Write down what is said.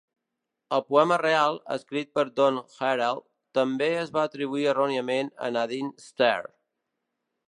El poema real, escrit per Don Herold, també es va atribuir erròniament a Nadine Stair.